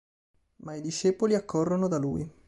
Ma i discepoli accorrono da lui.